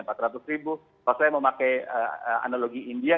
kalau seratus ribu kalau saya mau pakai analogi india